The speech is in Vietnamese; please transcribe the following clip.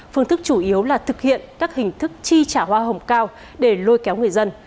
phương thức chủ yếu là thực hiện các hình thức chi trả hoa hồng cao để lôi kéo người dân